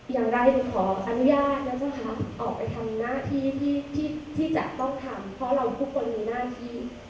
อย่างไรหนูขออนุญาตนะคะออกไปทำหน้าที่ที่จะต้องทำเพราะเราทุกคนมีหน้าที่